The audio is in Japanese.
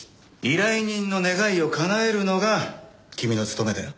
依頼人の願いを叶えるのが君の務めだよ。